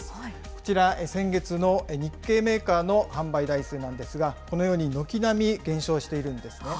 こちら、先月の日系メーカーの販売台数なんですが、このように軒並み減少しているんですね。